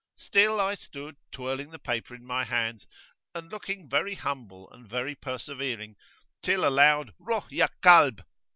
Still I stood twirling the paper in my hands, and looking very humble and very persevering, till a loud Ruh ya Kalb!